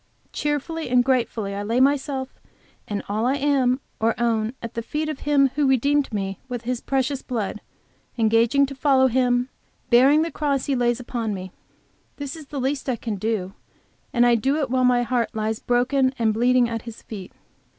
"Cheerfully and gratefully I lay myself and all that I am or own at the feet of Him who redeemed me with His precious blood, engaging to follow Him, bearing the cross He lays upon me." This is the least I can do, and I do it while my heart lies broken and bleeding at His feet.